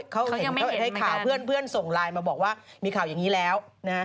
เขาเห็นในข่าวเพื่อนส่งไลน์มาบอกว่ามีข่าวอย่างนี้แล้วนะฮะ